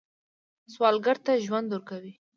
سوالګر ته ژوند ورکوئ